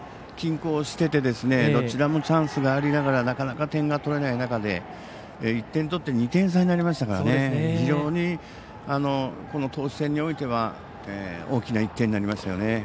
きっ抗しててお互いチャンスがありながらなかなか点が取れない中で１点取って２点差になりましたから非常にこの投手戦においては大きな１点になりましたよね。